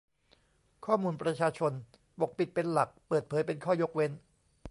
ข้อมูลประชาชน : ปกปิดเป็นหลัก เปิดเผยเป็นข้อยกเว้น